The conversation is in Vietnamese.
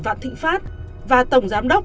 vạn thịnh pháp và tổng giám đốc